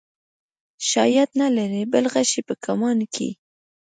شاید نه لرې بل غشی په کمان کې.